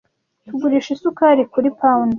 Tugurisha isukari kuri pound.